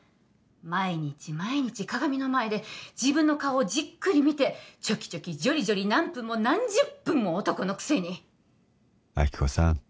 毎日毎日鏡の前で自分の顔をじっくり見てチョキチョキジョリジョリ何分も何十分も男のくせに亜希子さん